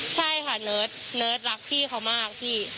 ใช่ค่ะเนิร์ดรักพี่เขามากพี่